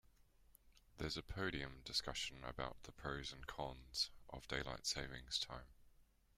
There's a podium discussion about the pros and cons of daylight saving time.